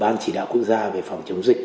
ban chỉ đạo quốc gia về phòng chống dịch